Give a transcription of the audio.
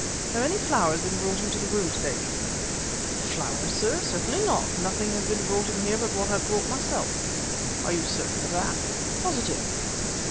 "Have any flowers been brought into the room today, Beeton?" "Flowers, sir? Certainly not. Nothing has ever been brought in here but what I have brought myself." "You are certain of that?" "Positive."